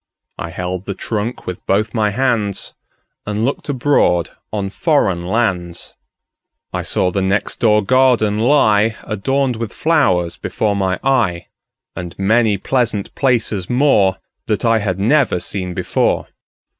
I held the trunk with both my handsAnd looked abroad on foreign lands.I saw the next door garden lie, Adorned with flowers, before my eye, And many pleasant places moreThat I had never seen before.